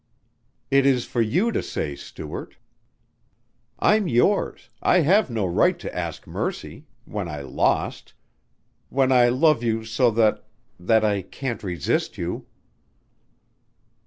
"It is for you to say, Stuart. I'm yours.... I have no right to ask mercy ... when I lost ... when I love you so that ... that I can't resist you."